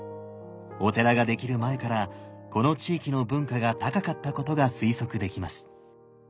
お寺が出来る前からこの地域の文化が高かったことが推測できます。